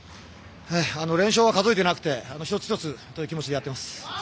連勝は数えてなくて一つ一つという気持ちでやっています。